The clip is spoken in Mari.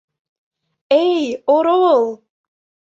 Эй, орол!..